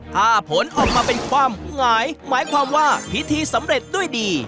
ถ้าผลออกมาเป็นความหงายหมายความว่าพิธีสำเร็จด้วยดี